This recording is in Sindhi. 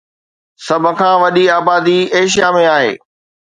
سڀ کان وڏي آبادي ايشيا ۾ آهي